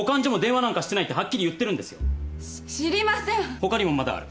ほかにもまだある。